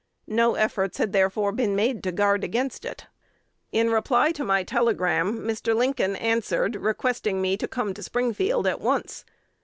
No efforts had therefore been made to guard against it. "In reply to my telegram, Mr. Lincoln answered, requesting me to come to Springfield at once.